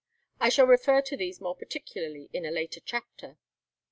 I shall refer to these more particularly in a later chapter.